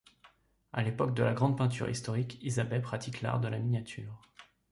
À l'époque de la grande peinture historique, Isabey pratique l’art de la miniature.